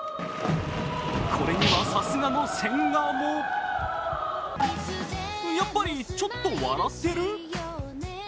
これにはさすがの千賀もやっぱり、ちょっと笑ってる？